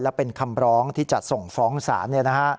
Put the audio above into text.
และเป็นคำร้องที่จะส่งฟ้องศาล